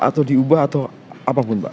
atau diubah atau apapun pak